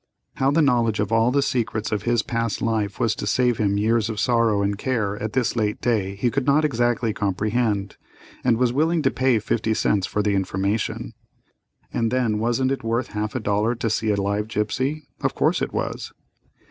How the knowledge of all the secrets of his past life was to save him years of sorrow and care at this late day he could not exactly comprehend, and was willing to pay fifty cents for the information. And then wasn't it worth half a dollar to see a live gipsy? Of course it was.